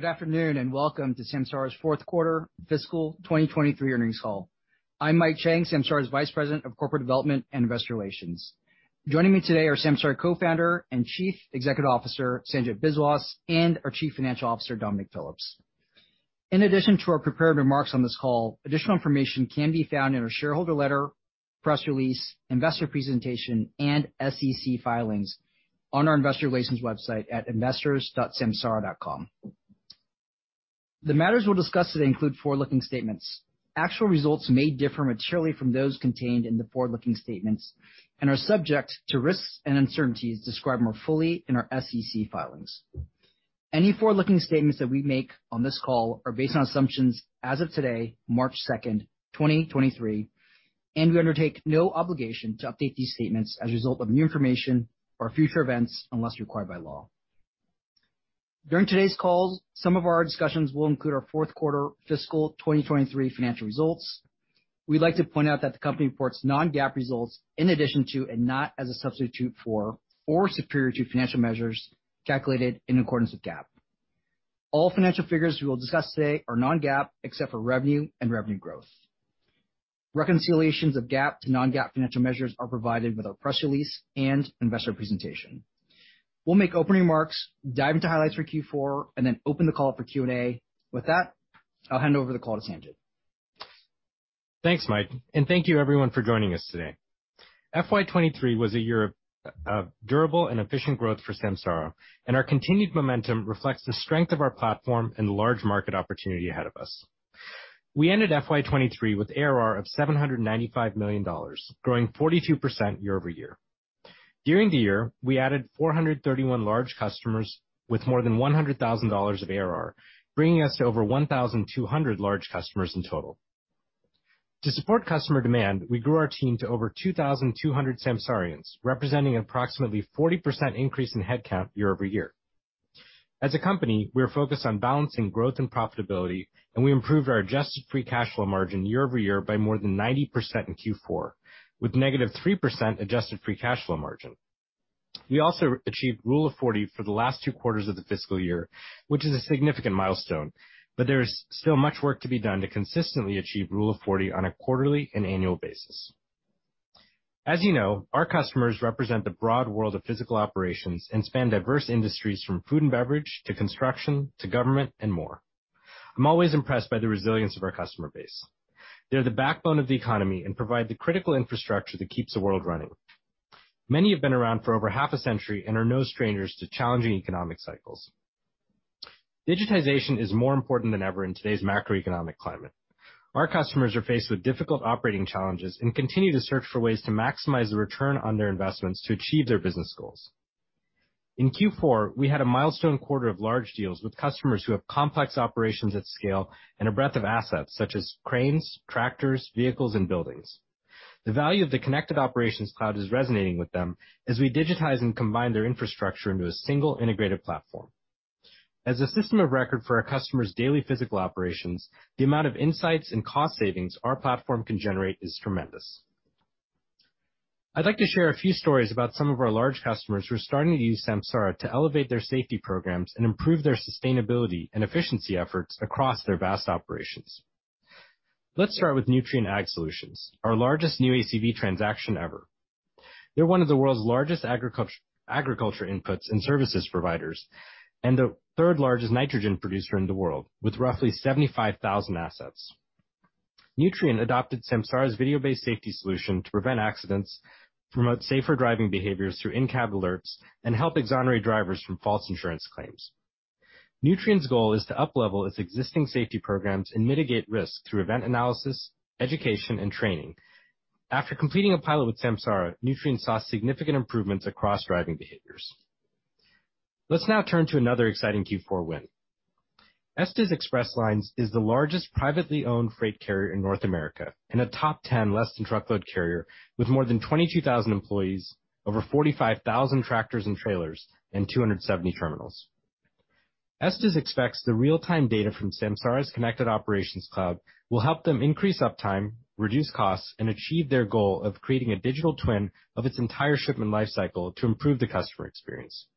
Good afternoon. Welcome to Samsara's fourth quarter fiscal 2023 earnings call. I'm Mike Chang, Samsara's Vice President of Corporate Development and Investor Relations. Joining me today are Samsara Co-founder and Chief Executive Officer, Sanjit Biswas, and our Chief Financial Officer, Dominic Phillips. In addition to our prepared remarks on this call, additional information can be found in our shareholder letter, press release, investor presentation, and SEC filings on our investor relations website at investors.samsara.com. The matters we'll discuss today include forward-looking statements. Actual results may differ materially from those contained in the forward-looking statements and are subject to risks and uncertainties described more fully in our SEC filings. Any forward-looking statements that we make on this call are based on assumptions as of today, March 2, 2023, and we undertake no obligation to update these statements as a result of new information or future events unless required by law. During today's call, some of our discussions will include our fourth quarter fiscal 2023 financial results. We'd like to point out that the company reports non-GAAP results in addition to and not as a substitute for or superior to financial measures calculated in accordance with GAAP. All financial figures we will discuss today are non-GAAP, except for revenue and revenue growth. Reconciliations of GAAP to non-GAAP financial measures are provided with our press release and investor presentation. We'll make opening remarks, dive into highlights for Q4, and then open the call up for Q&A. With that, I'll hand over the call to Sanjit. Thanks, Mike. Thank you everyone for joining us today. FY 2023 was a year of durable and efficient growth for Samsara, and our continued momentum reflects the strength of our platform and large market opportunity ahead of us. We ended FY 2023 with ARR of $795 million, growing 42% year-over-year. During the year, we added 431 large customers with more than $100,000 of ARR, bringing us to over 1,200 large customers in total. To support customer demand, we grew our team to over 2,200 Samsarians, representing approximately 40% increase in headcount year-over-year. As a company, we are focused on balancing growth and profitability, and we improved our adjusted free cash flow margin year-over-year by more than 90% in Q4, with -3% adjusted free cash flow margin. We also achieved Rule of 40 for the last two quarters of the fiscal year, which is a significant milestone. There is still much work to be done to consistently achieve Rule of 40 on a quarterly and annual basis. As you know, our customers represent the broad world of physical operations and span diverse industries from food and beverage to construction to government and more. I'm always impressed by the resilience of our customer base. They're the backbone of the economy and provide the critical infrastructure that keeps the world running. Many have been around for over half a century and are no strangers to challenging economic cycles. Digitization is more important than ever in today's macroeconomic climate. Our customers are faced with difficult operating challenges and continue to search for ways to maximize the return on their investments to achieve their business goals. In Q4, we had a milestone quarter of large deals with customers who have complex operations at scale and a breadth of assets such as cranes, tractors, vehicles, and buildings. The value of the Connected Operations Cloud is resonating with them as we digitize and combine their infrastructure into a single integrated platform. As a system of record for our customers' daily physical operations, the amount of insights and cost savings our platform can generate is tremendous. I'd like to share a few stories about some of our large customers who are starting to use Samsara to elevate their safety programs and improve their sustainability and efficiency efforts across their vast operations. Let's start with Nutrien Ag Solutions, our largest new ACV transaction ever. They're one of the world's largest agriculture inputs and services providers, and the third largest nitrogen producer in the world, with roughly 75,000 assets. Nutrien adopted Samsara's video-based safety solution to prevent accidents, promote safer driving behaviors through in-cab alerts, and help exonerate drivers from false insurance claims. Nutrien's goal is to uplevel its existing safety programs and mitigate risk through event analysis, education, and training. After completing a pilot with Samsara, Nutrien saw significant improvements across driving behaviors. Let's now turn to another exciting Q4 win. Estes Express Lines is the largest privately owned freight carrier in North America and a top 10 less-than-truckload carrier with more than 22,000 employees, over 45,000 tractors and trailers, and 270 terminals. Estes expects the real-time data from Samsara's Connected Operations Cloud will help them increase uptime, reduce costs, and achieve their goal of creating a digital twin of its entire shipment lifecycle to improve the customer experience.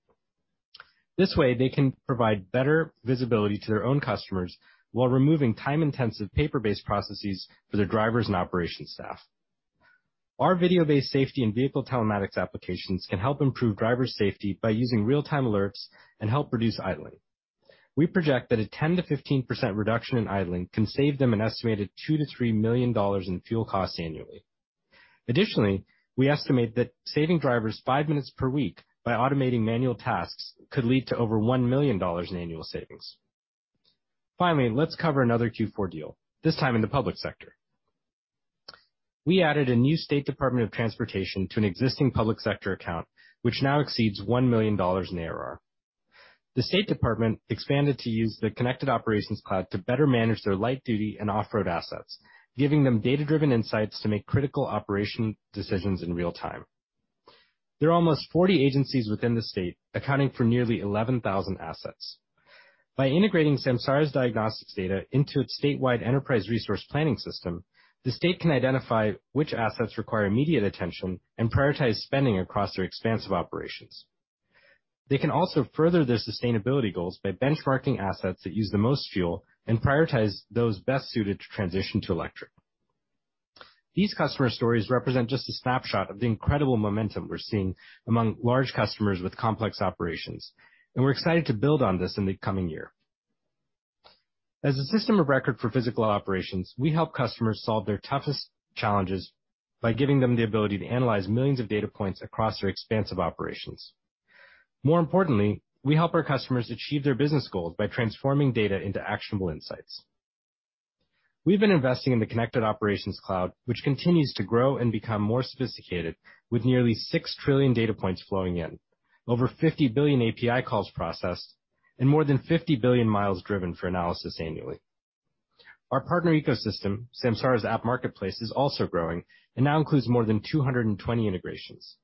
This way, they can provide better visibility to their own customers while removing time-intensive paper-based processes for their drivers and operations staff. Our video-based safety and vehicle telematics applications can help improve driver safety by using real-time alerts and help reduce idling. We project that a 10%-15% reduction in idling can save them an estimated $2 million-$3 million in fuel costs annually. Additionally, we estimate that saving drivers five minutes per week by automating manual tasks could lead to over $1 million in annual savings. Finally, let's cover another Q4 deal, this time in the public sector. We added a new state department of transportation to an existing public sector account, which now exceeds $1 million in ARR. The state department expanded to use the Connected Operations Cloud to better manage their light duty and off-road assets, giving them data-driven insights to make critical operation decisions in real time. There are almost 40 agencies within the state, accounting for nearly 11,000 assets. By integrating Samsara's diagnostics data into its statewide enterprise resource planning system, the state can identify which assets require immediate attention and prioritize spending across their expansive operations. They can also further their sustainability goals by benchmarking assets that use the most fuel and prioritize those best suited to transition to electric. These customer stories represent just a snapshot of the incredible momentum we're seeing among large customers with complex operations, and we're excited to build on this in the coming year. As a system of record for physical operations, we help customers solve their toughest challenges by giving them the ability to analyze millions of data points across their expansive operations. More importantly, we help our customers achieve their business goals by transforming data into actionable insights. We've been investing in the Connected Operations Cloud, which continues to grow and become more sophisticated with nearly 6 trillion data points flowing in, over 50 billion API calls processed, and more than 50 billion miles driven for analysis annually. Our partner ecosystem, Samsara App Marketplace, is also growing and now includes more than 220 integrations.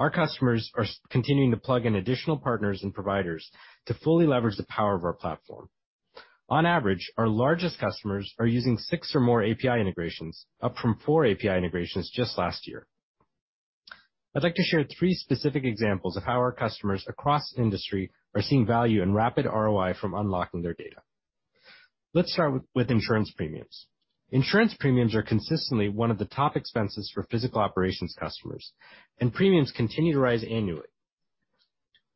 Our customers are continuing to plug in additional partners and providers to fully leverage the power of our platform. On average, our largest customers are using six or more API integrations, up from four API integrations just last year. I'd like to share three specific examples of how our customers across industry are seeing value and rapid ROI from unlocking their data. Let's start with insurance premiums. Insurance premiums are consistently one of the top expenses for physical operations customers. Premiums continue to rise annually.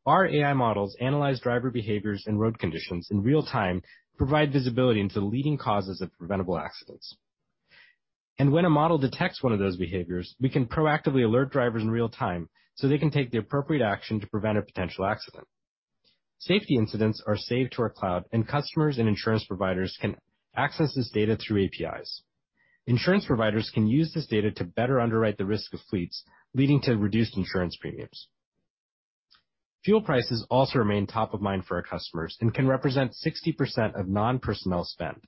Our AI models analyze driver behaviors and road conditions in real time to provide visibility into the leading causes of preventable accidents. When a model detects one of those behaviors, we can proactively alert drivers in real time. They can take the appropriate action to prevent a potential accident. Safety incidents are saved to our cloud. Customers and insurance providers can access this data through APIs. Insurance providers can use this data to better underwrite the risk of fleets, leading to reduced insurance premiums. Fuel prices also remain top of mind for our customers and can represent 60% of non-personnel spend.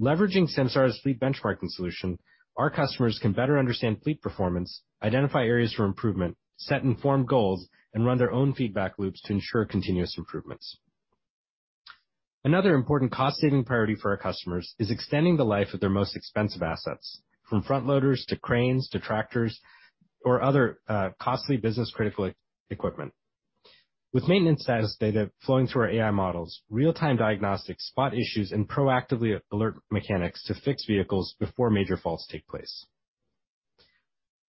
Leveraging Samsara's fleet benchmarking solution, our customers can better understand fleet performance, identify areas for improvement, set informed goals, and run their own feedback loops to ensure continuous improvements. Another important cost-saving priority for our customers is extending the life of their most expensive assets, from front loaders to cranes to tractors or other costly business-critical equipment. With maintenance status data flowing through our AI models, real-time diagnostics spot issues and proactively alert mechanics to fix vehicles before major faults take place.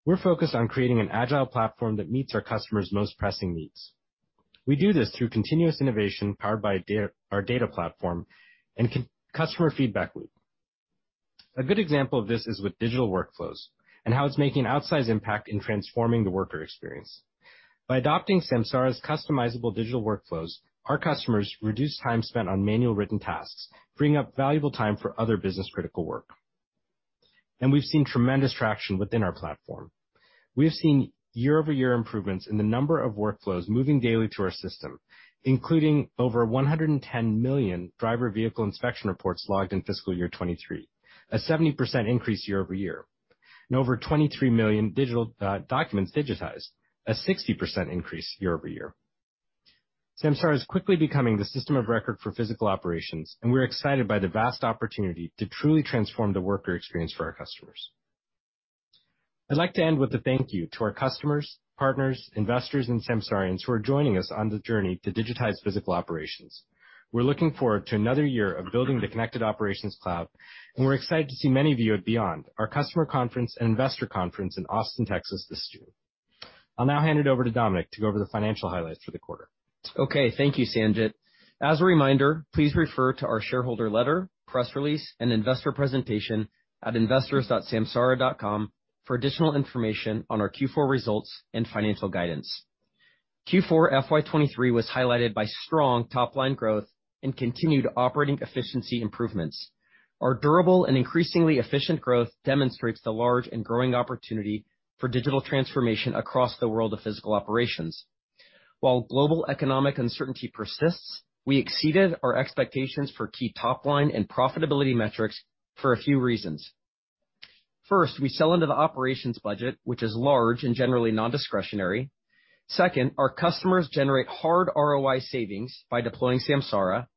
We're focused on creating an agile platform that meets our customers' most pressing needs. We do this through continuous innovation powered by our data platform and customer feedback loop. A good example of this is with digital workflows and how it's making an outsize impact in transforming the worker experience. By adopting Samsara's customizable digital workflows, our customers reduce time spent on manual written tasks, freeing up valuable time for other business-critical work. We've seen tremendous traction within our platform. We have seen year-over-year improvements in the number of workflows moving daily to our system, including over 110 million driver vehicle inspection reports logged in fiscal year 2023, a 70% increase year-over-year, and over 23 million digital documents digitized, a 60% increase year-over-year. Samsara is quickly becoming the system of record for physical operations, We're excited by the vast opportunity to truly transform the worker experience for our customers. I'd like to end with a thank you to our customers, partners, investors, and Samsarians who are joining us on the journey to digitize physical operations. We're looking forward to another year of building the Connected Operations Cloud, and we're excited to see many of you at Beyond, our customer conference and investor conference in Austin, Texas this June. I'll now hand it over to Dominic to go over the financial highlights for the quarter. Okay. Thank you, Sanjit. As a reminder, please refer to our shareholder letter, press release, and investor presentation at investors.samsara.com for additional information on our Q4 results and financial guidance. Q4 FY '23 was highlighted by strong top-line growth and continued operating efficiency improvements. Our durable and increasingly efficient growth demonstrates the large and growing opportunity for digital transformation across the world of physical operations. While global economic uncertainty persists, we exceeded our expectations for key top-line and profitability metrics for a few reasons. First, we sell into the operations budget, which is large and generally non-discretionary. Second, our customers generate hard ROI savings by deploying Samsara.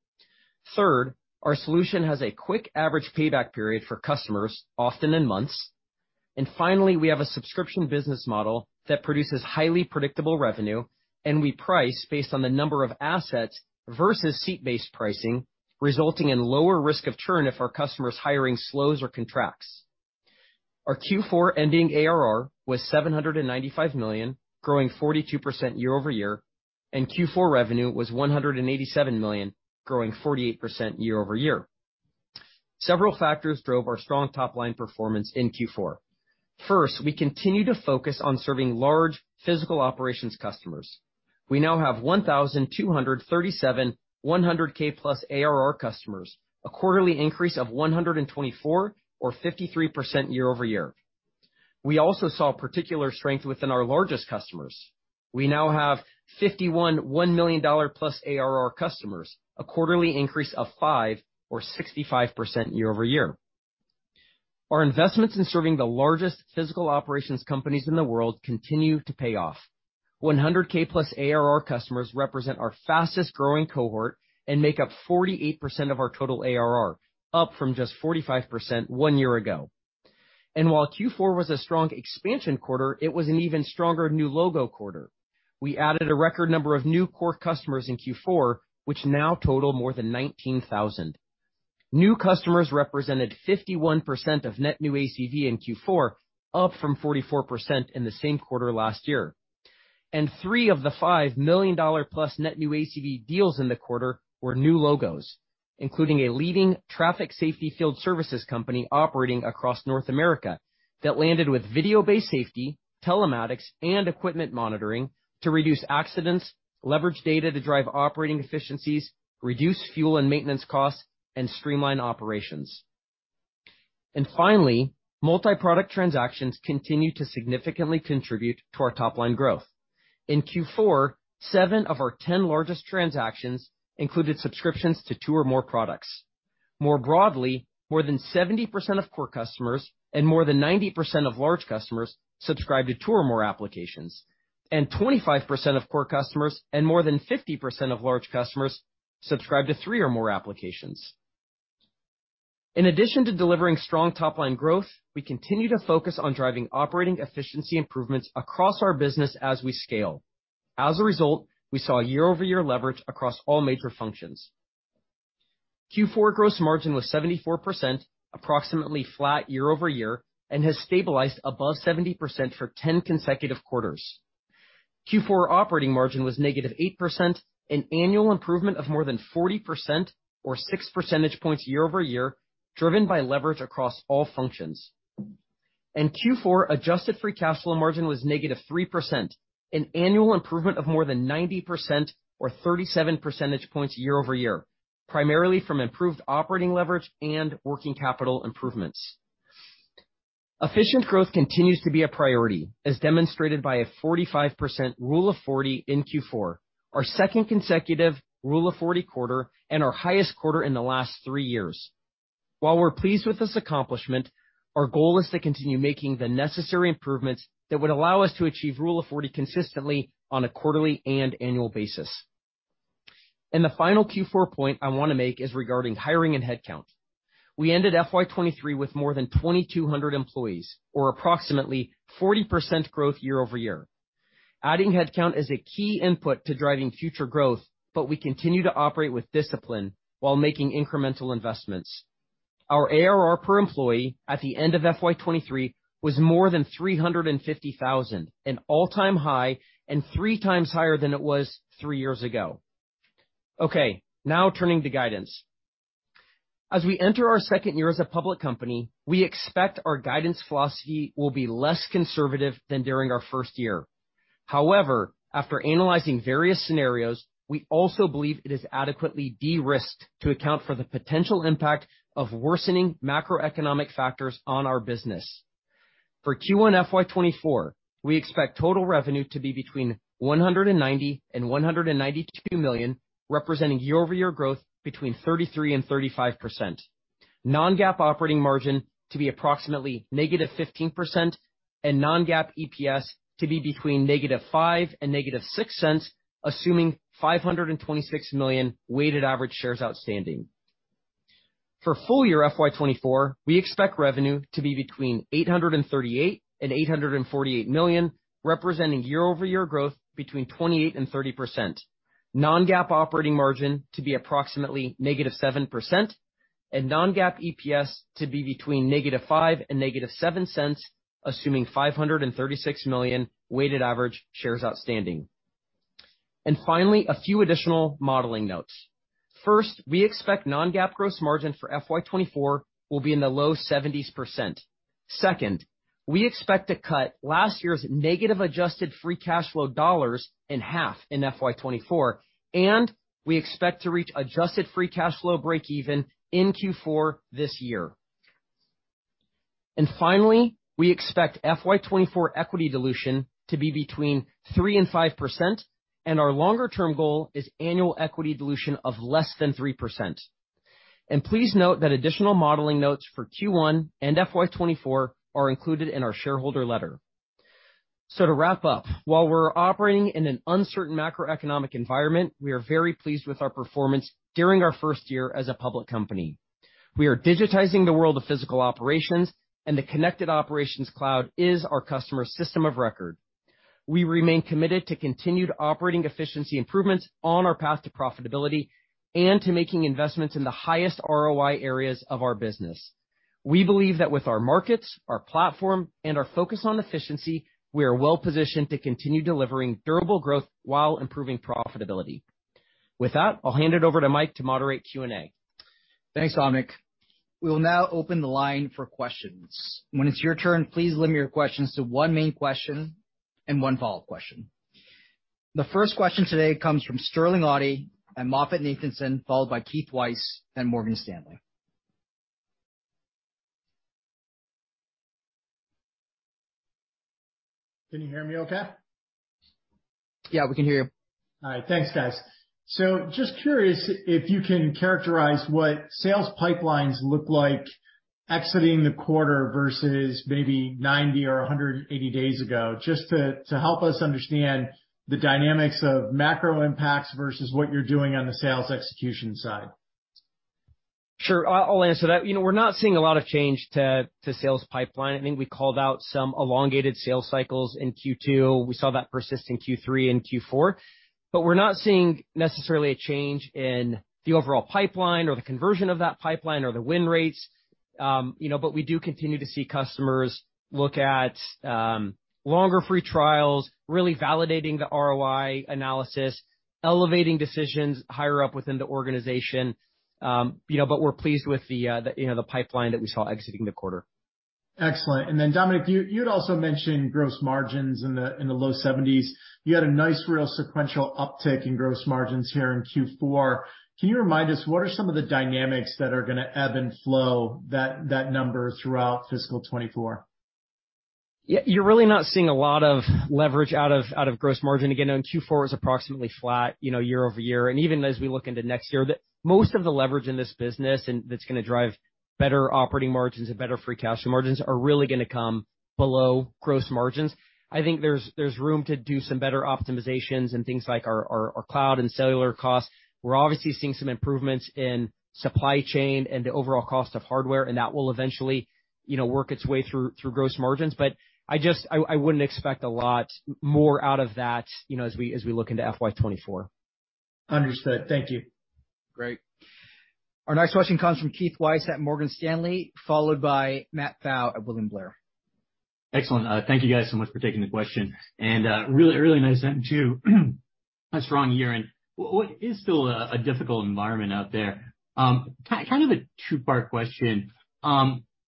Third, our solution has a quick average payback period for customers, often in months. Finally, we have a subscription business model that produces highly predictable revenue, and we price based on the number of assets versus seat-based pricing, resulting in lower risk of churn if our customers' hiring slows or contracts. Our Q4 ending ARR was 795 million, growing 42% year-over-year, and Q4 revenue was 187 million, growing 48% year-over-year. Several factors drove our strong top-line performance in Q4. First, we continue to focus on serving large physical operations customers. We now have 1,237 100K-plus ARR customers, a quarterly increase of 124 or 53% year-over-year. We also saw particular strength within our largest customers. We now have 51 $1 million-plus ARR customers, a quarterly increase of five or 65% year-over-year. Our investments in serving the largest physical operations companies in the world continue to pay off. 100K+ ARR customers represent our fastest-growing cohort and make up 48% of our total ARR, up from just 45% one year ago. While Q4 was a strong expansion quarter, it was an even stronger new logo quarter. We added a record number of new core customers in Q4, which now total more than 19,000. New customers represented 51% of net new ACV in Q4, up from 44% in the same quarter last year. three of the five million-dollar-plus net new ACV deals in the quarter were new logos, including a leading traffic safety field services company operating across North America that landed with video-based safety, telematics, and equipment monitoring to reduce accidents, leverage data to drive operating efficiencies, reduce fuel and maintenance costs, and streamline operations. Finally, multi-product transactions continue to significantly contribute to our top-line growth. In Q4, 7 of our 10 largest transactions included subscriptions to two or more products. More broadly, more than 70% of core customers and more than 90% of large customers subscribe to two or more applications. Twenty-five percent of core customers and more than 50% of large customers subscribe to three or more applications. In addition to delivering strong top-line growth, we continue to focus on driving operating efficiency improvements across our business as we scale. As a result, we saw year-over-year leverage across all major functions. Q4 gross margin was 74%, approximately flat year-over-year, and has stabilized above 70% for 10 consecutive quarters. Q4 operating margin was negative 8%, an annual improvement of more than 40% or six percentage points year-over-year, driven by leverage across all functions. Q4 adjusted free cash flow margin was -3%, an annual improvement of more than 90% or 37 percentage points year-over-year, primarily from improved operating leverage and working capital improvements. Efficient growth continues to be a priority, as demonstrated by a 45% Rule of 40 in Q4, our second consecutive Rule of 40 quarter and our highest quarter in the last three years. While we're pleased with this accomplishment, our goal is to continue making the necessary improvements that would allow us to achieve Rule of 40 consistently on a quarterly and annual basis. The final Q4 point I want to make is regarding hiring and headcount. We ended FY 2023 with more than 2,200 employees, or approximately 40% growth year-over-year. Adding headcount is a key input to driving future growth, but we continue to operate with discipline while making incremental investments. Our ARR per employee at the end of FY 2023 was more than 350,000, an all-time high and three times higher than it was three years ago. Okay, now turning to guidance. As we enter our second year as a public company, we expect our guidance philosophy will be less conservative than during our first year. After analyzing various scenarios, we also believe it is adequately de-risked to account for the potential impact of worsening macroeconomic factors on our business. For Q1 FY 2024, we expect total revenue to be between 190 million and 192 million, representing year-over-year growth between 33% and 35%. Non-GAAP operating margin to be approximately negative 15% and non-GAAP EPS to be between negative 0.05 and negative 0.06, assuming 526 million weighted average shares outstanding. For full year FY 2024, we expect revenue to be between 838 million and 848 million, representing year-over-year growth between 28% and 30%. Non-GAAP operating margin to be approximately -7% and non-GAAP EPS to be between -0.05 and -0.07, assuming 536 million weighted average shares outstanding. Finally, a few additional modeling notes. First, we expect non-GAAP gross margin for FY 2024 will be in the low 70s%. Second, we expect to cut last year's negative adjusted free cash flow dollars in half in FY 2024. We expect to reach adjusted free cash flow breakeven in Q4 this year. Finally, we expect FY 2024 equity dilution to be between 3% and 5%. Our longer-term goal is annual equity dilution of less than 3%. Please note that additional modeling notes for Q1 and FY 2024 are included in our shareholder letter. To wrap up, while we're operating in an uncertain macroeconomic environment, we are very pleased with our performance during our 1st year as a public company. We are digitizing the world of physical operations, and the Connected Operations Cloud is our customer system of record. We remain committed to continued operating efficiency improvements on our path to profitability and to making investments in the highest ROI areas of our business. We believe that with our markets, our platform, and our focus on efficiency, we are well-positioned to continue delivering durable growth while improving profitability. With that, I'll hand it over to Mike to moderate Q&A. Thanks, Dominic. We will now open the line for questions. When it's your turn, please limit your questions to one main question and one follow-up question. The first question today comes from Sterling Auty at MoffettNathanson, followed by Keith Weiss at Morgan Stanley. Can you hear me okay? Yeah, we can hear you. All right. Thanks, guys. Just curious if you can characterize what sales pipelines look like exiting the quarter versus maybe 90 or 180 days ago, just to help us understand the dynamics of macro impacts versus what you're doing on the sales execution side. Sure. I'll answer that. You know, we're not seeing a lot of change to sales pipeline. I think I called out some elongated sales cycles in Q2. We saw that persist in Q3 and Q4. We're not seeing necessarily a change in the overall pipeline or the conversion of that pipeline or the win rates. You know, but we do continue to see customers look at longer free trials, really validating the ROI analysis, elevating decisions higher up within the organization. You know, we're pleased with the, you know, the pipeline that we saw exiting the quarter. Excellent. Dominic, you had also mentioned gross margins in the low 70s. You had a nice real sequential uptick in gross margins here in Q4. Can you remind us what are some of the dynamics that are going to ebb and flow that number throughout fiscal 2024? Yeah. You're really not seeing a lot of leverage out of, out of gross margin. Again, know Q4 is approximately flat, you know, year-over-year. Even as we look into next year, most of the leverage in this business and that's going to drive better operating margins and better free cash flow margins are really going to come below gross margins. I think there's room to do some better optimizations and things like our cloud and cellular costs. We're obviously seeing some improvements in supply chain and the overall cost of hardware, and that will eventually, you know, work its way through gross margins. I just, I wouldn't expect a lot more out of that, you know, as we, as we look into FY24. Understood. Thank you. Great. Our next question comes from Keith Weiss at Morgan Stanley, followed by Matt Pfau at William Blair. Excellent. Thank you guys so much for taking the question. Really, really nice end to a strong year in what is still a difficult environment out there. Kind of a two-part question.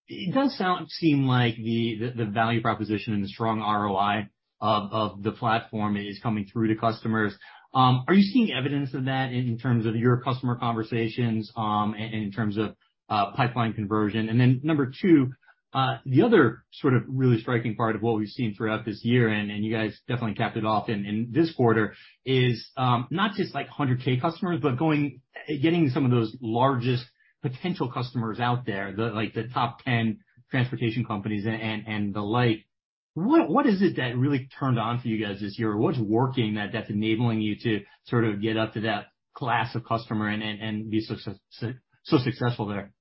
It does seem like the value proposition and the strong ROI of the platform is coming through to customers. Are you seeing evidence of that in terms of your customer conversations, and in terms of pipeline conversion? Number two, the other sort of really striking part of what we've seen throughout this year, and you guys definitely capped it off in this quarter, is not just like 100K customers, but going getting some of those largest potential customers out there, the like, the top 10 transportation companies and the like. What is it that really turned on for you guys this year? What's working that's enabling you to sort of get up to that class of customer and be so successful there?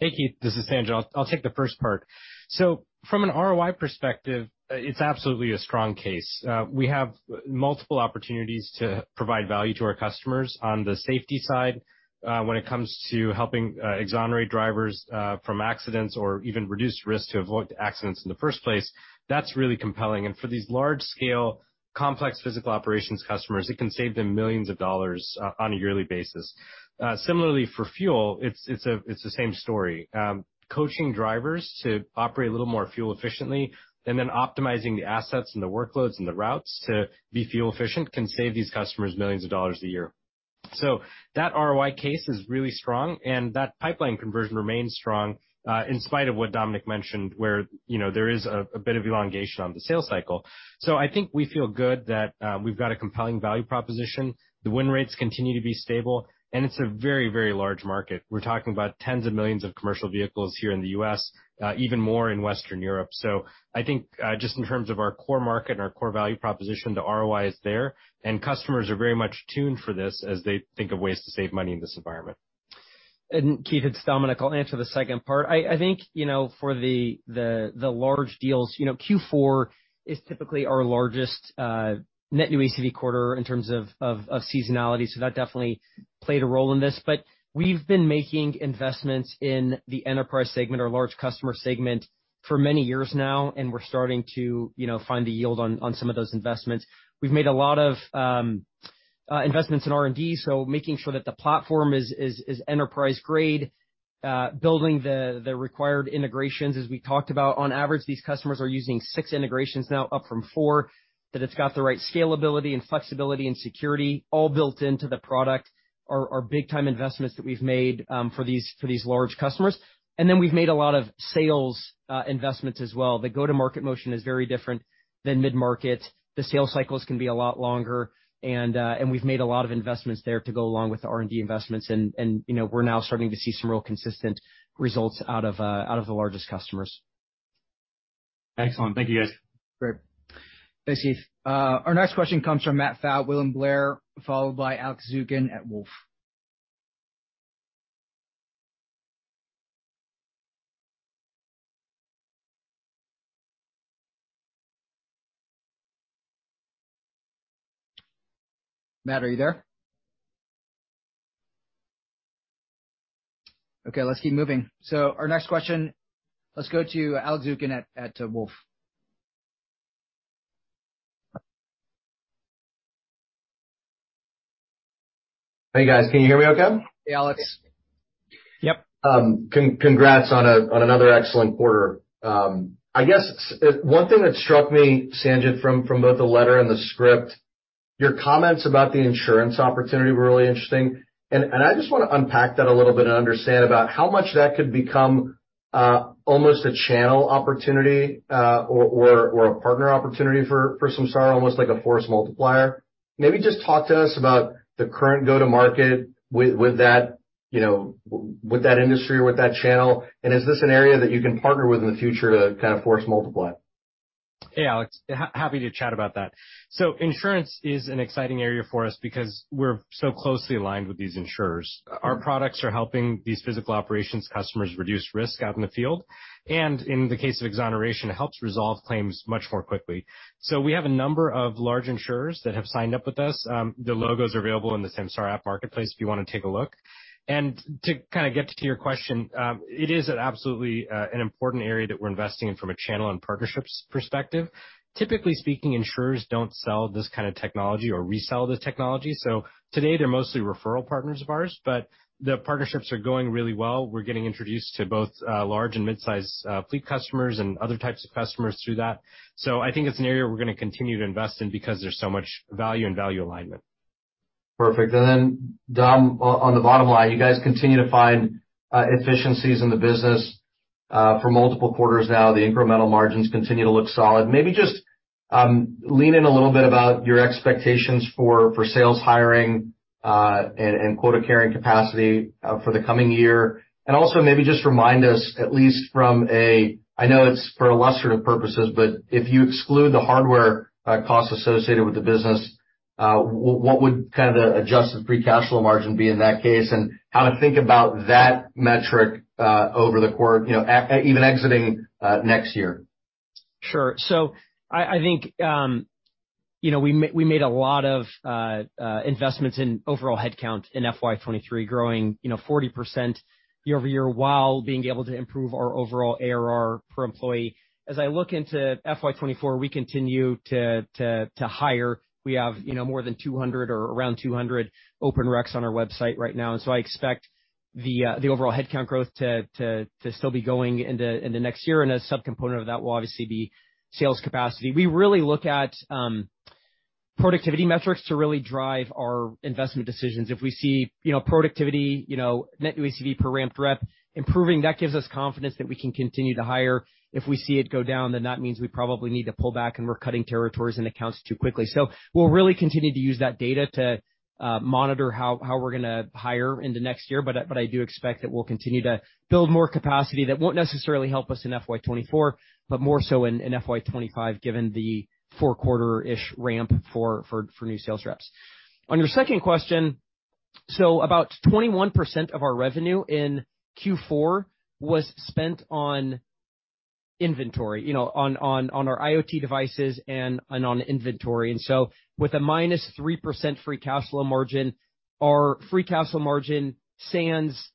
Hey, Keith. This is Sanjit. I'll take the first part. From an ROI perspective, it's absolutely a strong case. We have multiple opportunities to provide value to our customers on the safety side, when it comes to helping exonerate drivers, from accidents or even reduce risk to avoid accidents in the first place. That's really compelling. For these large-scale, complex physical operations customers, it can save them millions of dollars on a yearly basis. Similarly for fuel, it's the same story. Coaching drivers to operate a little more fuel efficiently and then optimizing the assets and the workloads and the routes to be fuel efficient can save these customers millions of dollars a year. That ROI case is really strong, and that pipeline conversion remains strong, in spite of what Dominic mentioned, where, you know, there is a bit of elongation on the sales cycle. I think we feel good that we've got a compelling value proposition. The win rates continue to be stable, and it's a very, very large market. We're talking about tens of millions of commercial vehicles here in the U.S., even more in Western Europe. I think, just in terms of our core market and our core value proposition, the ROI is there, and customers are very much tuned for this as they think of ways to save money in this environment. Keith, it's Dominic. I'll answer the second part. I think, you know, for the large deals, you know, Q4 is typically our largest net new ACV quarter in terms of seasonality, so that definitely played a role in this. We've been making investments in the enterprise segment or large customer segment for many years now, and we're starting to, you know, find the yield on some of those investments. We've made a lot of investments in R&D, so making sure that the platform is enterprise-grade, building the required integrations, as we talked about. On average, these customers are using six integrations now, up from four. That it's got the right scalability and flexibility and security all built into the product are big time investments that we've made for these large customers. Then we've made a lot of sales investments as well. The go-to-market motion is very different than mid-market. The sales cycles can be a lot longer and we've made a lot of investments there to go along with the R&D investments and, you know, we're now starting to see some real consistent results out of the largest customers. Excellent. Thank you, guys. Great. Thanks, Keith. Our next question comes from Matt Pfau, William Blair, followed by Alex Zukin at Wolfe Research. Matt, are you there? Okay, let's keep moving. Our next question, let's go to Alex Zukin at Wolfe Research. Hey, guys. Can you hear me okay? Hey, Alex. Yep. Congrats on a, on another excellent quarter. I guess one thing that struck me, Sanjit, from both the letter and the script, your comments about the insurance opportunity were really interesting. I just want to unpack that a little bit and understand about how much that could become almost a channel opportunity or a partner opportunity for Samsara, almost like a force multiplier. Maybe just talk to us about the current go-to-market with that, you know, with that industry or with that channel. Is this an area that you can partner with in the future to kind of force multiply? Hey, Alex, happy to chat about that. Insurance is an exciting area for us because we're so closely aligned with these insurers. Our products are helping these physical operations customers reduce risk out in the field, and in the case of exoneration, it helps resolve claims much more quickly. We have a number of large insurers that have signed up with us. The logos are available in the Samsara App Marketplace if you want to take a look. To kinda get to your question, it is absolutely an important area that we're investing in from a channel and partnerships perspective. Typically speaking, insurers don't sell this kind of technology or resell this technology. Today, they're mostly referral partners of ours, but the partnerships are going really well. We're getting introduced to both, large and mid-size, fleet customers and other types of customers through that. I think it's an area we're going to continue to invest in because there's so much value and value alignment. Perfect. Dom, on the bottom line, you guys continue to find efficiencies in the business for multiple quarters now. The incremental margins continue to look solid. Maybe just lean in a little bit about your expectations for sales hiring and quota carrying capacity for the coming year. Maybe just remind us, at least from a... I know it's for illustrative purposes, but if you exclude the hardware costs associated with the business, what would kinda the adjusted free cash flow margin be in that case and how to think about that metric over the you know, even exiting next year? Sure. I think, you know, we made a lot of investments in overall headcount in FY 2023, growing, you know, 40% year-over-year, while being able to improve our overall ARR per employee. As I look into FY 2024, we continue to hire. We have, you know, more than 200 or around 200 open recs on our website right now. I expect the overall headcount growth to still be going into next year, and a subcomponent of that will obviously be sales capacity. We really look at productivity metrics to really drive our investment decisions. If we see, you know, productivity, you know, net ACV per ramped rep improving, that gives us confidence that we can continue to hire. If we see it go down, then that means we probably need to pull back and we're cutting territories and accounts too quickly. We'll really continue to use that data to monitor how we're going to hire into next year, but I do expect that we'll continue to build more capacity that won't necessarily help us in FY 2024, but more so in FY 2025, given the 4-quarter-ish ramp for new sales reps. On your second question, so about 21% of our revenue in Q4 was spent on inventory, you know, on our IoT devices and on inventory. With a -3% free cash flow margin, our free cash flow margin sans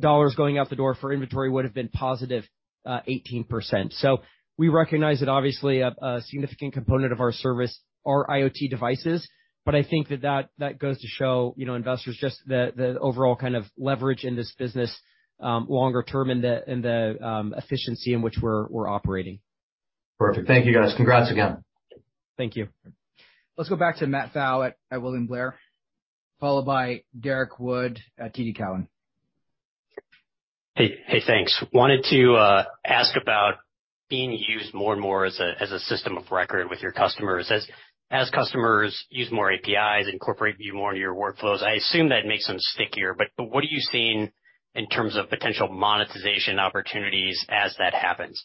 dollars going out the door for inventory would have been positive 18%. We recognize that obviously a significant component of our service are IoT devices, but I think that goes to show, you know, investors just the overall kind of leverage in this business, longer term in the efficiency in which we're operating. Perfect. Thank you, guys. Congrats again. Thank you. Let's go back to Matt Pfau at William Blair, followed by Derrick Wood at TD Cowen. Hey, thanks. Wanted to ask about being used more and more as a system of record with your customers. As customers use more APIs, incorporate you more into your workflows, I assume that makes them stickier, but what are you seeing in terms of potential monetization opportunities as that happens?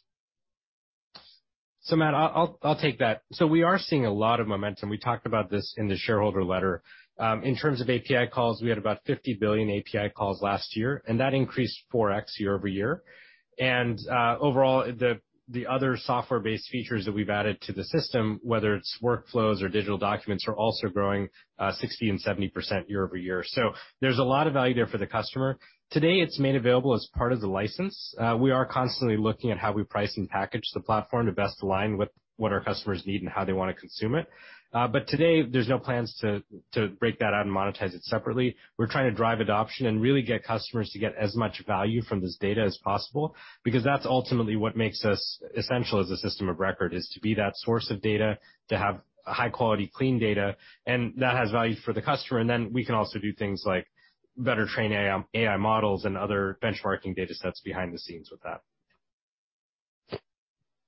Matt, I'll take that. We are seeing a lot of momentum. We talked about this in the shareholder letter. In terms of API calls, we had about 50 billion API calls last year, and that increased 4x year-over-year. Overall, the other software-based features that we've added to the system, whether it's workflows or digital documents, are also growing 60% and 70% year-over-year. There's a lot of value there for the customer. Today, it's made available as part of the license. We are constantly looking at how we price and package the platform to best align with what our customers need and how they want to consume it. Today there's no plans to break that out and monetize it separately. We're trying to drive adoption and really get customers to get as much value from this data as possible, because that's ultimately what makes us essential as a system of record, is to be that source of data, to have high quality, clean data, and that has value for the customer. We can also do things like better train AI models and other benchmarking datasets behind the scenes with that.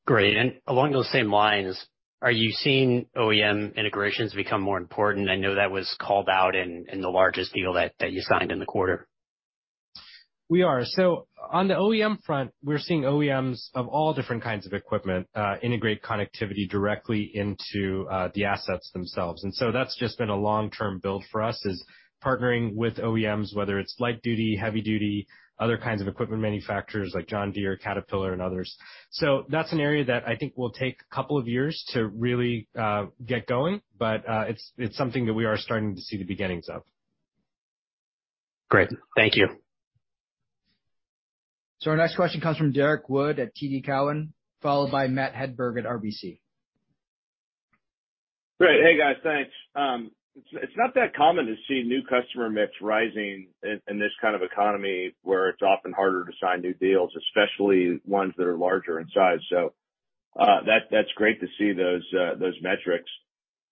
Great. Along those same lines, are you seeing OEM integrations become more important? I know that was called out in the largest deal that you signed in the quarter. We are. On the OEM front, we're seeing OEMs of all different kinds of equipment integrate connectivity directly into the assets themselves. That's just been a long-term build for us is partnering with OEMs, whether it's light duty, heavy duty, other kinds of equipment manufacturers like John Deere, Caterpillar and others. That's an area that I think will take a couple of years to really get going, but it's something that we are starting to see the beginnings of. Great. Thank you. Our next question comes from Derrick Wood at TD Cowen, followed by Matt Hedberg at RBC. Great. Hey, guys. Thanks. It's not that common to see new customer mix rising in this kind of economy where it's often harder to sign new deals, especially ones that are larger in size. That's great to see those metrics.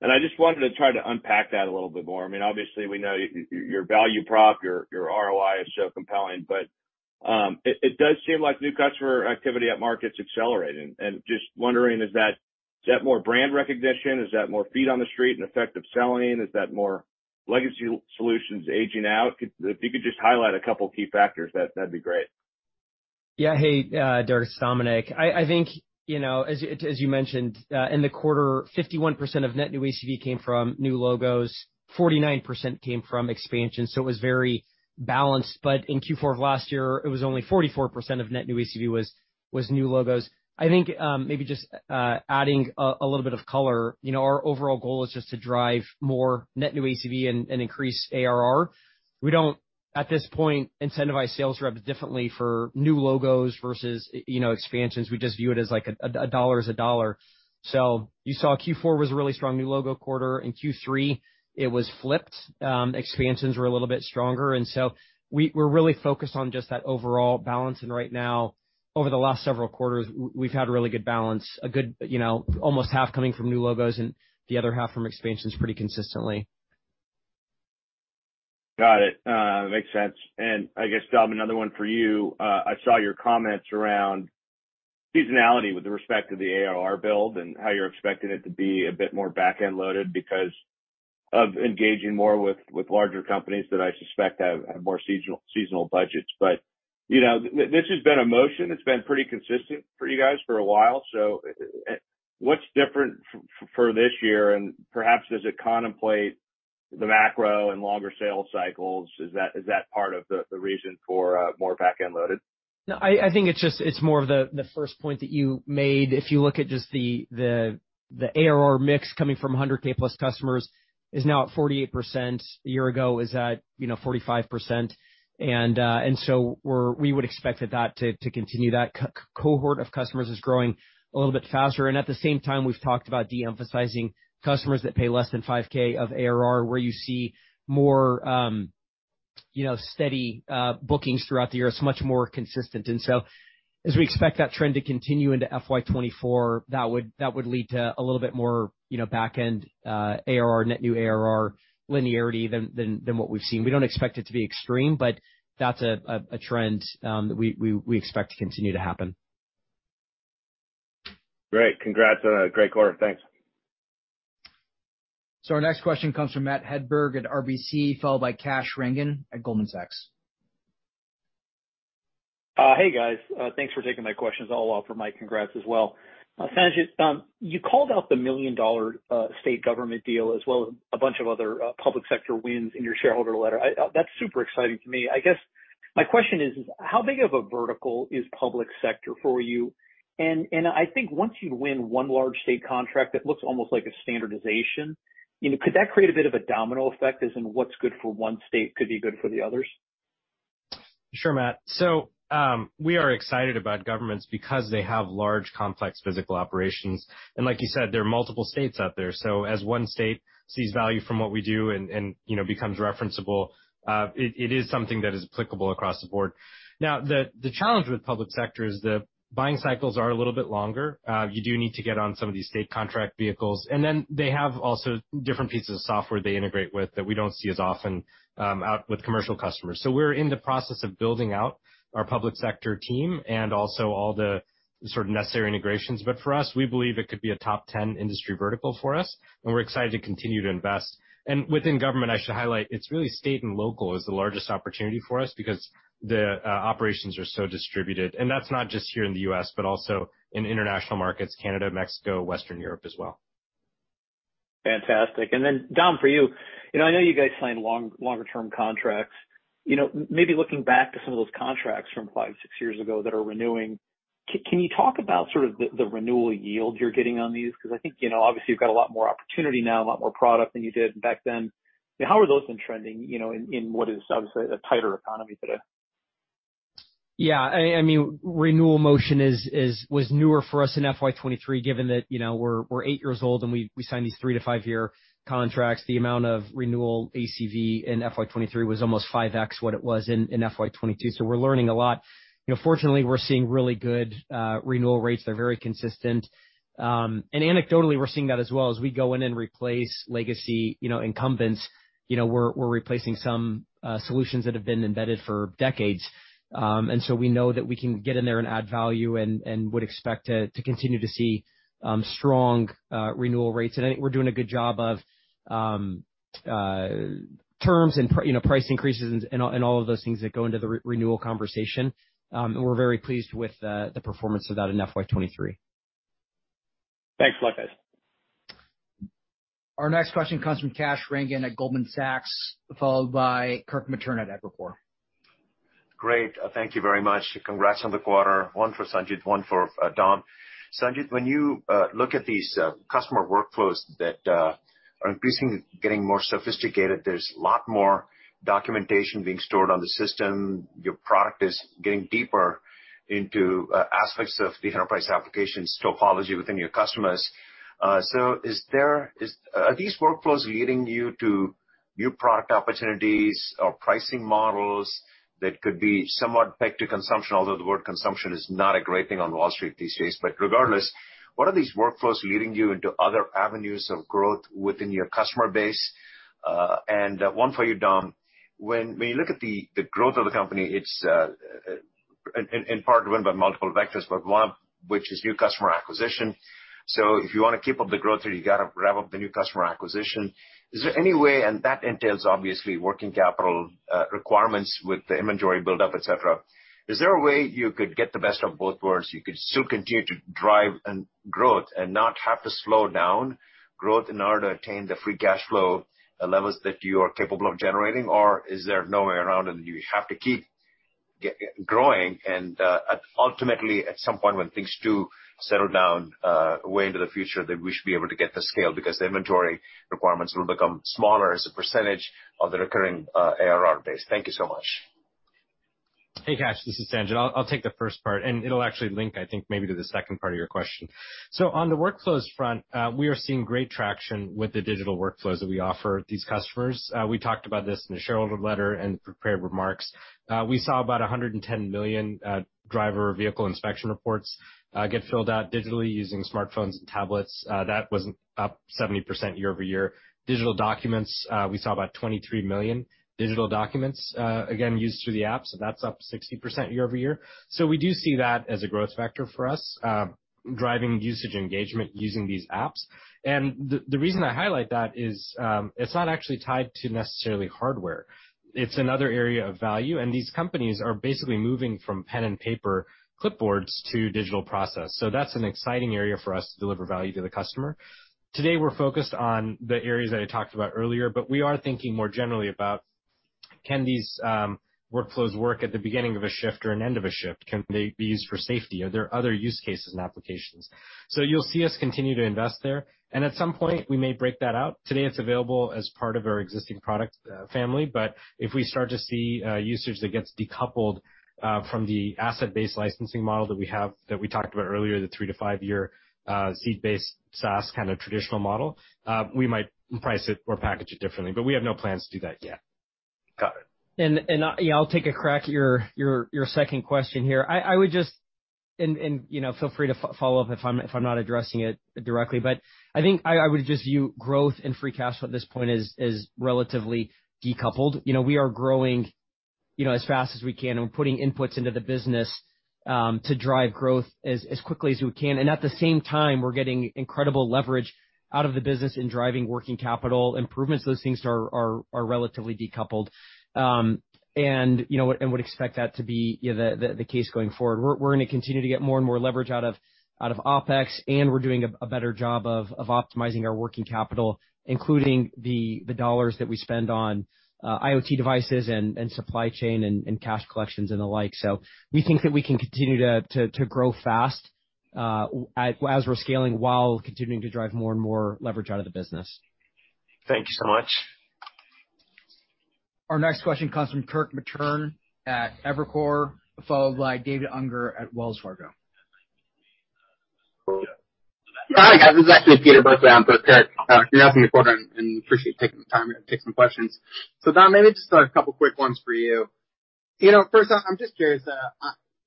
I just wanted to try to unpack that a little bit more. I mean, obviously, we know your value prop, your ROI is so compelling, but, it does seem like new customer activity at markets accelerated. Just wondering, is that, is that more brand recognition? Is that more feet on the street and effective selling? Is that more legacy solutions aging out? If you could just highlight a couple key factors, that'd be great. Yeah. Hey, Derrick Wood, it's Dominic Phillips. I think, you know, as you mentioned, in the quarter, 51% of net new ACV came from new logos, 49% came from expansion, so it was very balanced. In Q4 of last year, it was only 44% of net new ACV was new logos. I think, maybe just adding a little bit of color, you know, our overall goal is just to drive more net new ACV and increase ARR. We don't, at this point, incentivize sales reps differently for new logos versus you know, expansions. We just view it as like a dollar is a dollar. You saw Q4 was a really strong new logo quarter. In Q3, it was flipped, expansions were a little bit stronger. We're really focused on just that overall balance. Right now, over the last several quarters, we've had a really good balance, you know, almost half coming from new logos and the other half from expansions pretty consistently. Got it. Makes sense. I guess, Dom, another one for you. I saw your comments around seasonality with respect to the ARR build and how you're expecting it to be a bit more back-end loaded because of engaging more with larger companies that I suspect have more seasonal budgets. You know, this has been a motion. It's been pretty consistent for you guys for a while. What's different for this year? Perhaps, does it contemplate the macro and longer sales cycles? Is that part of the reason for more back-end loaded? No, I think it's just it's more of the first point that you made. If you look at just the ARR mix coming from 100K plus customers is now at 48%. A year ago, it was at, you know, 45%. We would expect that to continue. That cohort of customers is growing a little bit faster. At the same time, we've talked about de-emphasizing customers that pay less than 5K of ARR, where you see more, you know, steady bookings throughout the year. It's much more consistent. As we expect that trend to continue into FY 2024, that would lead to a little bit more, you know, back-end ARR, net new ARR linearity than what we've seen. We don't expect it to be extreme, but that's a trend that we expect to continue to happen. Great. Congrats on a great quarter. Thanks. Our next question comes from Matt Hedberg at RBC, followed by Kash Rangan at Goldman Sachs. Hey, guys. Thanks for taking my questions. I'll offer my congrats as well. Sanjit, you called out the million-dollar state government deal as well as a bunch of other public sector wins in your shareholder letter. That's super exciting to me. I guess my question is, how big of a vertical is public sector for you? I think once you win one large state contract, it looks almost like a standardization. You know, could that create a bit of a domino effect, as in what's good for one state could be good for the others? We are excited about governments because they have large, complex physical operations. Like you said, there are multiple states out there. As one state sees value from what we do and, you know, becomes referenceable, it is something that is applicable across the board. The challenge with public sector is the buying cycles are a little bit longer. You do need to get on some of these state contract vehicles. They have also different pieces of software they integrate with that we don't see as often out with commercial customers. We're in the process of building out our public sector team and also all the sort of necessary integrations. For us, we believe it could be a top 10 industry vertical for us, and we're excited to continue to invest. Within government, I should highlight, it's really state and local is the largest opportunity for us because the operations are so distributed. That's not just here in the U.S., but also in international markets, Canada, Mexico, Western Europe as well. Fantastic. Then, Dom, for you. You know, I know you guys sign long-longer term contracts. You know, maybe looking back to some of those contracts from 5, 6 years ago that are renewing, can you talk about sort of the renewal yield you're getting on these? Because I think, you know, obviously you've got a lot more opportunity now, a lot more product than you did back then. How are those then trending, you know, in what is obviously a tighter economy today? Yeah. I mean, renewal motion is newer for us in FY23, given that, you know, we're eight years old and we sign these three-five-year contracts. The amount of renewal ACV in FY23 was almost 5x what it was in FY22. We're learning a lot. You know, fortunately, we're seeing really good renewal rates. They're very consistent. Anecdotally, we're seeing that as well. As we go in and replace legacy, you know, incumbents, you know, we're replacing some solutions that have been embedded for decades. We know that we can get in there and add value and would expect to continue to see strong renewal rates. I think we're doing a good job of, you know, price increases and all of those things that go into the renewal conversation. We're very pleased with the performance of that in FY 23. Thanks a lot, guys. Our next question comes from Kash Rangan at Goldman Sachs, followed by Kirk Materne at Evercore. Great. Thank you very much. Congrats on the quarter. One for Sanjit, one for Dom. Sanjit, when you look at these customer workflows that are increasingly getting more sophisticated, there's a lot more documentation being stored on the system. Your product is getting deeper into aspects of the enterprise application topology within your customers. Are these workflows leading you to new product opportunities or pricing models that could be somewhat pegged to consumption? Although the word consumption is not a great thing on Wall Street these days. Regardless, what are these workflows leading you into other avenues of growth within your customer base? One for you, Dom. When you look at the growth of the company, it's in part driven by multiple vectors, but one which is new customer acquisition. If you want to keep up the growth rate, you got to rev up the new customer acquisition. That entails obviously working capital requirements with the inventory buildup, et cetera. Is there a way you could get the best of both worlds? You could still continue to drive and growth and not have to slow down growth in order to attain the free cash flow levels that you are capable of generating? Is there no way around it and you have to keep growing and ultimately, at some point when things do settle down, way into the future, that we should be able to get the scale because the inventory requirements will become smaller as a percentage of the recurring ARR base. Thank you so much. Hey, Kash Rangan, this is Sanjit Biswas. I'll take the first part, it'll actually link, I think, maybe to the second part of your question. On the workflows front, we are seeing great traction with the digital workflows that we offer these customers. We talked about this in the shareholder letter and prepared remarks. We saw about 110 million driver vehicle inspection reports get filled out digitally using smartphones and tablets. That was up 70% year-over-year. Digital documents, we saw about 23 million digital documents, again, used through the app, that's up 60% year-over-year. We do see that as a growth factor for us, driving usage engagement using these apps. The reason I highlight that is, it's not actually tied to necessarily hardware. It's another area of value, and these companies are basically moving from pen and paper clipboards to digital process. That's an exciting area for us to deliver value to the customer. Today, we're focused on the areas that I talked about earlier, but we are thinking more generally about can these workflows work at the beginning of a shift or an end of a shift? Can they be used for safety? Are there other use cases and applications? You'll see us continue to invest there, and at some point we may break that out. Today it's available as part of our existing product, family. If we start to see usage that gets decoupled from the asset-based licensing model that we have, that we talked about earlier, the three-five-year, seat-based SaaS kind of traditional model, we might price it or package it differently. We have no plans to do that yet. Got it. Yeah, I'll take a crack at your second question here. I would just, you know, feel free to follow up if I'm not addressing it directly. I think I would just view growth and free cash flow at this point is relatively decoupled. You know, we are growing, you know, as fast as we can, and we're putting inputs into the business to drive growth as quickly as we can. At the same time, we're getting incredible leverage out of the business in driving working capital improvements. Those things are relatively decoupled. You know, and would expect that to be, you know, the case going forward. We're going to continue to get more and more leverage out of OpEx, and we're doing a better job of optimizing our working capital, including the dollars that we spend on IoT devices and supply chain and cash collections and the like. We think that we can continue to grow fast as we're scaling while continuing to drive more and more leverage out of the business. Thank you so much. Our next question comes from Kirk Materne at Evercore, followed by David Unger at Wells Fargo. Hi, guys. This is actually Peter Burkly on for Kirk on both. Kirk, thanks for jumping on the call and appreciate you taking the time to take some questions. Dom, maybe just a couple quick ones for you. You know, first off, I'm just curious,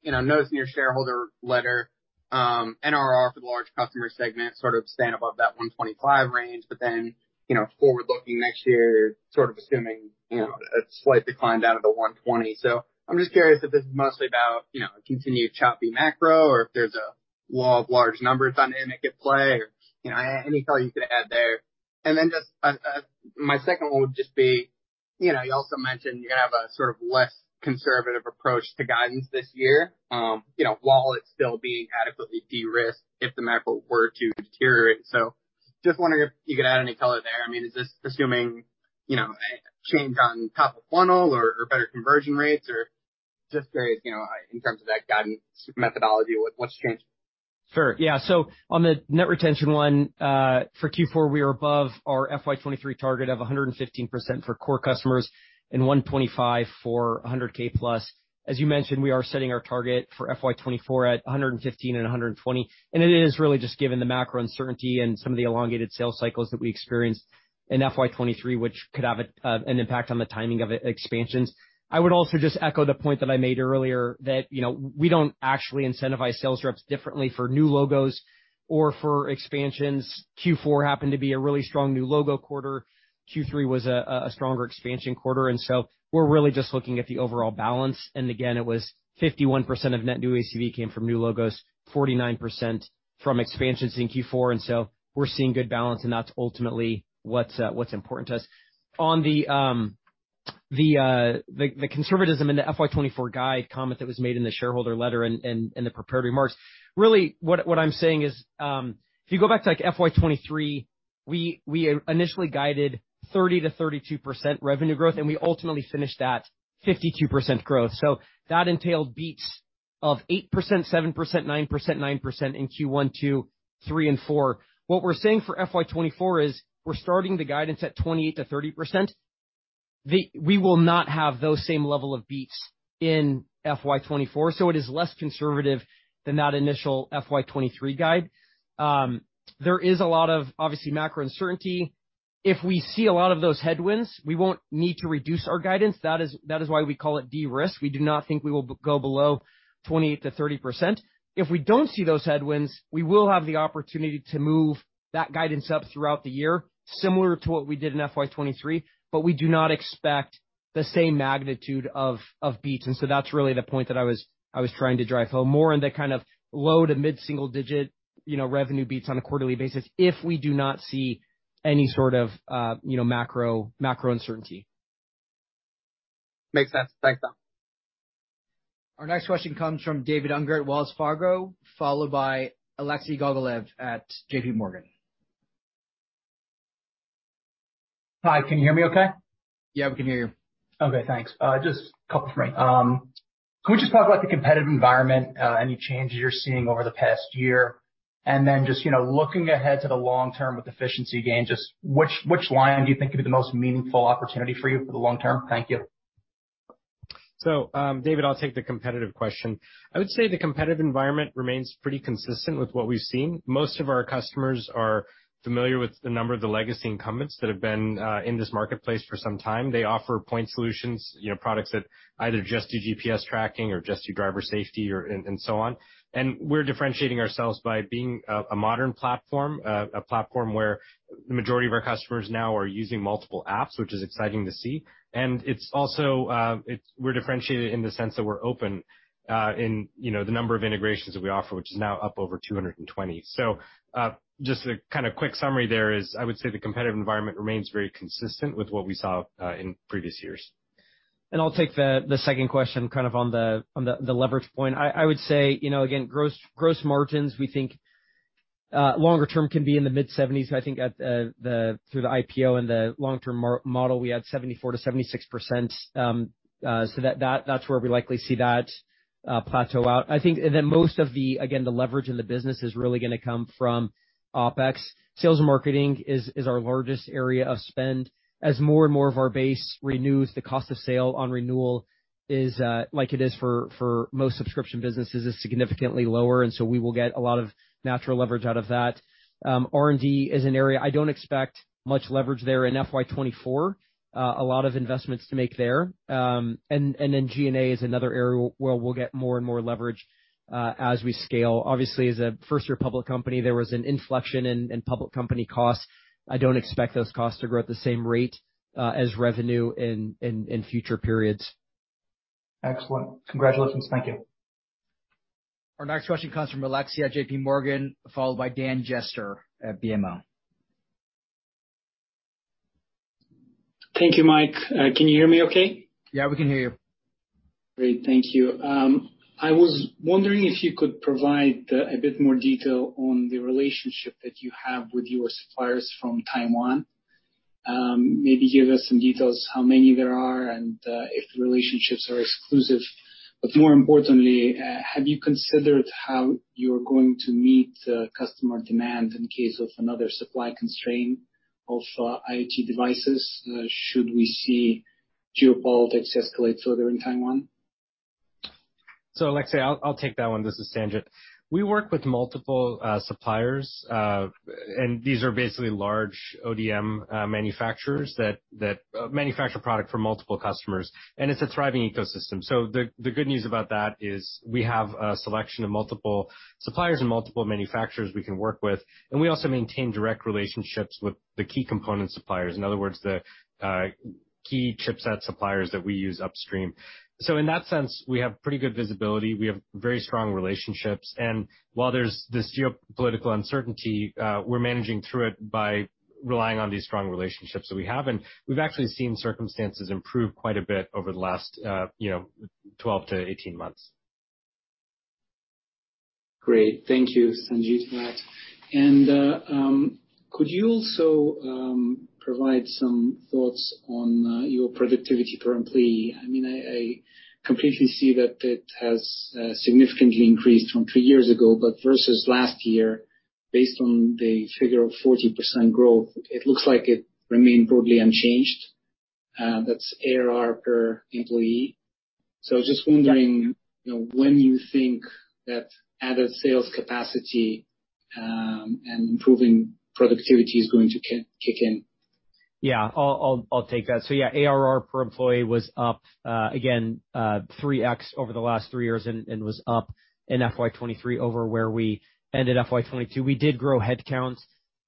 you know, noticing your shareholder letter, NRR for the large customer segment sort of staying above that 125 range, but then, you know, forward looking next year, sort of assuming, you know, a slight decline down to the 120. I'm just curious if this is mostly about, you know, continued choppy macro or if there's a law of large numbers on it at play or, you know, any color you could add there. Just my second one would just be, you know, you also mentioned you're going to have a sort of less conservative approach to guidance this year, you know, while it's still being adequately de-risked if the macro were to deteriorate. Just wondering if you could add any color there. I mean, is this assuming, you know, a change on top of funnel or better conversion rates or just curious, you know, in terms of that guidance methodology, what's changed? Sure, yeah. On the net retention one, for Q4, we are above our FY 2023 target of 115% for core customers and 125% for 100K+. As you mentioned, we are setting our target for FY 2024 at 115% and 120%. It is really just given the macro uncertainty and some of the elongated sales cycles that we experienced in FY 2023, which could have an impact on the timing of expansions. I would also just echo the point that I made earlier that, you know, we don't actually incentivize sales reps differently for new logos or for expansions. Q4 happened to be a really strong new logo quarter. Q3 was a stronger expansion quarter. We're really just looking at the overall balance. Again, it was 51% of net new ACV came from new logos, 49% from expansions in Q4, and so we're seeing good balance, and that's ultimately what's important to us. On the conservatism in the FY 2024 guide comment that was made in the shareholder letter and the prepared remarks, really what I'm saying is, if you go back to, like, FY 2023, we initially guided 30%-32% revenue growth, and we ultimately finished at 52% growth. That entailed beats of 8%, 7%, 9%, 9% in Q1, two, three, and four. What we're saying for FY 2024 is we're starting the guidance at 28%-30%. We will not have those same level of beats in FY 2024. It is less conservative than that initial FY 2023 guide. There is a lot of, obviously, macro uncertainty. If we see a lot of those headwinds, we won't need to reduce our guidance. That is why we call it de-risk. We do not think we will go below 28%-30%. If we don't see those headwinds, we will have the opportunity to move that guidance up throughout the year, similar to what we did in FY 2023, but we do not expect the same magnitude of beats. That's really the point that I was trying to drive home, more in the kind of low to mid-single digit, you know, revenue beats on a quarterly basis if we do not see any sort of, you know, macro uncertainty. Makes sense. Thanks, Tom. Our next question comes from David Unger at Wells Fargo, followed by Alexei Gogolev at JP Morgan. Hi, can you hear me okay? Yeah, we can hear you. Okay, thanks. Just a couple for me. Can we just talk about the competitive environment, any changes you're seeing over the past year? And then just, you know, looking ahead to the long term with efficiency gain, just which line do you think could be the most meaningful opportunity for you for the long term? Thank you. David, I'll take the competitive question. I would say the competitive environment remains pretty consistent with what we've seen. Most of our customers are familiar with the number of the legacy incumbents that have been in this marketplace for some time. They offer point solutions, you know, products that either just do GPS tracking or just do driver safety or, and, so on. We're differentiating ourselves by being a modern platform, a platform where the majority of our customers now are using multiple apps, which is exciting to see. It's also, we're differentiated in the sense that we're open, in, you know, the number of integrations that we offer, which is now up over 220. Just a kind of quick summary there is, I would say the competitive environment remains very consistent with what we saw, in previous years. I'll take the second question kind of on the leverage point. I would say, you know, again, gross margins, we think longer term can be in the mid-70s. I think at through the IPO and the long-term model, we had 74%-76%. That's where we likely see that plateau out. I think. Most of the, again, the leverage in the business is really going to come from OpEx. Sales and marketing is our largest area of spend. As more and more of our base renews, the cost of sale on renewal is like it is for most subscription businesses, is significantly lower. We will get a lot of natural leverage out of that. R&D is an area I don't expect much leverage there in FY 2024. A lot of investments to make there. Then G&A is another area where we'll get more and more leverage as we scale. Obviously, as a first-year public company, there was an inflection in public company costs. I don't expect those costs to grow at the same rate as revenue in future periods. Excellent. Congratulations. Thank you. Our next question comes from Alexei at JP Morgan, followed by Dan Jester at BMO. Thank you, Mike. Can you hear me okay? Yeah, we can hear you. Great, thank you. I was wondering if you could provide a bit more detail on the relationship that you have with your suppliers from Taiwan, maybe give us some details how many there are and if the relationships are exclusive. More importantly, have you considered how you're going to meet customer demand in case of another supply constraint of IoT devices, should we see geopolitics escalate further in Taiwan? Alexei, I'll take that one. This is Sanjit. We work with multiple suppliers, and these are basically large ODM manufacturers that manufacture product for multiple customers, and it's a thriving ecosystem. The good news about that is we have a selection of multiple suppliers and multiple manufacturers we can work with, and we also maintain direct relationships with the key component suppliers. In other words, the key chipset suppliers that we use upstream. In that sense, we have pretty good visibility. We have very strong relationships. While there's this geopolitical uncertainty, we're managing through it by relying on these strong relationships that we have. We've actually seen circumstances improve quite a bit over the last, you know, 12 to 18 months. Great. Thank you, Sanjit, for that. Could you also provide some thoughts on your productivity per employee? I mean, I completely see that it has significantly increased from three years ago, but versus last year, based on the figure of 40% growth, it looks like it remained broadly unchanged. That's ARR per employee. Just wondering. Yeah. You know, when you think that added sales capacity, and improving productivity is going to kick in. Yeah. I'll take that. Yeah, ARR per employee was up again 3x over the last three years and was up in FY 2023 over where we ended FY 2022. We did grow headcounts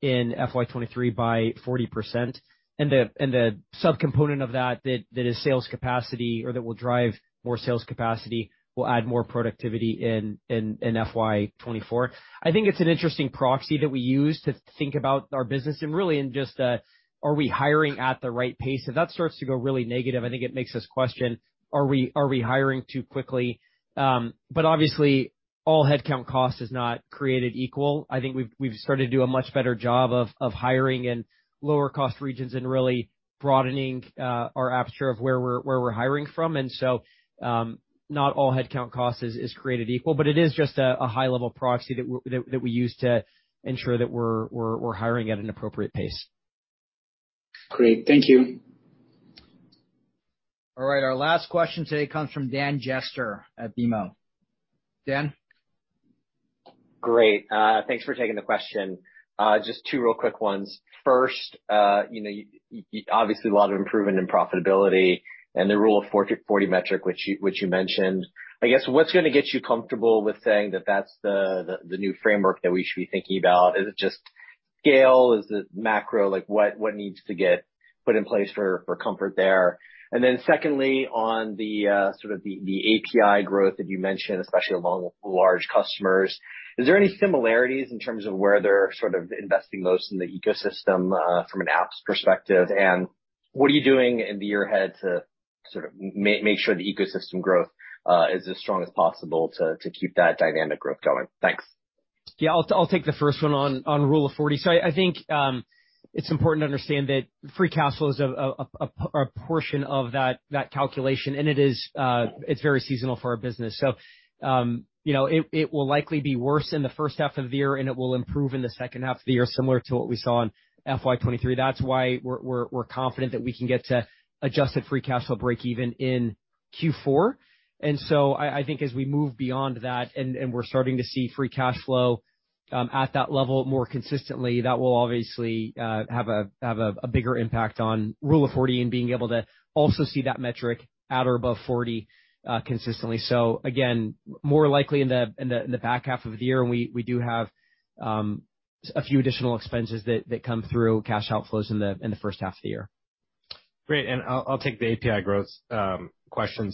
in FY 2023 by 40%. The subcomponent of that that is sales capacity or that will drive more sales capacity will add more productivity in FY 2024. I think it's an interesting proxy that we use to think about our business and really in just a, are we hiring at the right pace? If that starts to go really negative, I think it makes us question, are we hiring too quickly? Obviously, all headcount cost is not created equal. I think we've started to do a much better job of hiring in lower cost regions and really broadening our aperture of where we're hiring from. Not all headcount costs is created equal. It is just a high-level proxy that we use to ensure that we're hiring at an appropriate pace. Great. Thank you. All right. Our last question today comes from Dan Jester at BMO. Dan? Great. Thanks for taking the question. Just two real quick ones. First, you know, you obviously a lot of improvement in profitability and the Rule of 40 metric, which you, which you mentioned. I guess, what's going to get you comfortable with saying that that's the new framework that we should be thinking about? Is it Scale, is it macro? Like, what needs to get put in place for comfort there? And then secondly, on the sort of the API growth that you mentioned, especially among large customers, is there any similarities in terms of where they're sort of investing most in the ecosystem, from an apps perspective? And what are you doing into your head to sort of make sure the ecosystem growth is as strong as possible to keep that dynamic growth going? Thanks. I'll take the first one on Rule of 40. I think it's important to understand that free cash flow is a portion of that calculation. It is very seasonal for our business. You know, it will likely be worse in the first half of the year, and it will improve in the second half of the year, similar to what we saw in FY 23. That's why we're confident that we can get to adjusted free cash flow breakeven in Q4. I think as we move beyond that we're starting to see free cash flow at that level more consistently, that will obviously have a bigger impact on Rule of 40 and being able to also see that metric at or above 40 consistently. Again, more likely in the back half of the year. We do have a few additional expenses that come through cash outflows in the first half of the year. Great. I'll take the API growth question.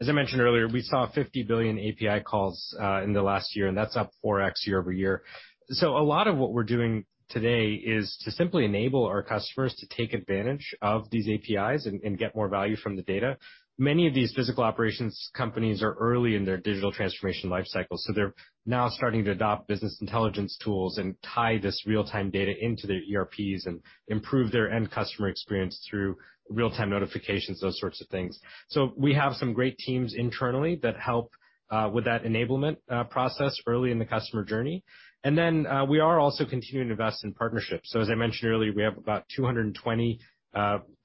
As I mentioned earlier, we saw 50 billion API calls in the last year, and that's up 4x year-over-year. A lot of what we're doing today is to simply enable our customers to take advantage of these APIs and get more value from the data. Many of these physical operations companies are early in their digital transformation life cycle, so they're now starting to adopt business intelligence tools and tie this real-time data into their ERPs and improve their end customer experience through real-time notifications, those sorts of things. We have some great teams internally that help with that enablement process early in the customer journey. We are also continuing to invest in partnerships. As I mentioned earlier, we have about 220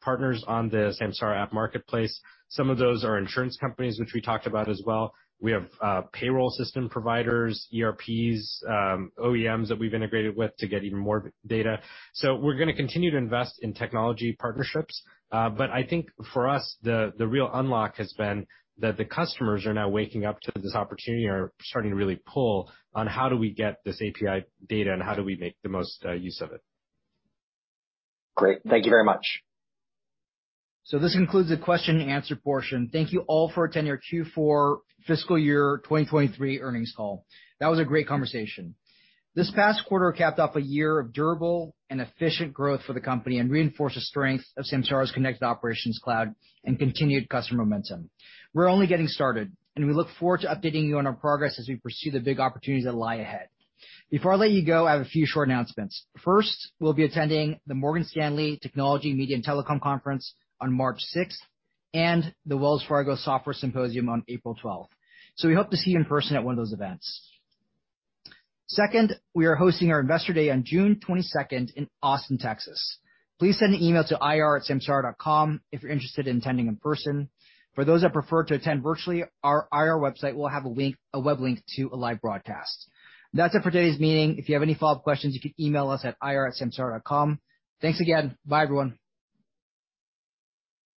partners on the Samsara App Marketplace. Some of those are insurance companies, which we talked about as well. We have payroll system providers, ERPs, OEMs that we've integrated with to get even more data. We're going to continue to invest in technology partnerships. I think for us, the real unlock has been that the customers are now waking up to this opportunity are starting to really pull on how do we get this API data, and how do we make the most use of it. Great. Thank you very much. This concludes the question and answer portion. Thank you all for attending our Q4 fiscal year 2023 earnings call. That was a great conversation. This past quarter capped off a year of durable and efficient growth for the company and reinforced the strength of Samsara's Connected Operations Cloud and continued customer momentum. We're only getting started, and we look forward to updating you on our progress as we pursue the big opportunities that lie ahead. Before I let you go, I have a few short announcements. First, we'll be attending the Morgan Stanley Technology, Media & Telecom Conference on March sixth, and the Wells Fargo Software Symposium on April twelfth. We hope to see you in person at one of those events. Second, we are hosting our Investor Day on June twenty-second in Austin, Texas. Please send an email to ir@samsara.com if you're interested in attending in person. For those that prefer to attend virtually, our IR website will have a web link to a live broadcast. That's it for today's meeting. If you have any follow-up questions, you can email us at ir@samsara.com. Thanks again. Bye everyone.